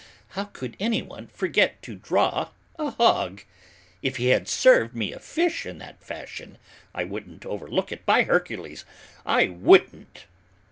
How could anyone forget to draw a hog? If he had served me a fish in that fashion I wouldn't overlook it, by Hercules, I wouldn't."